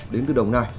đến từ đồng nai